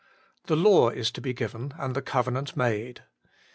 The law is to be L given and the covenant made.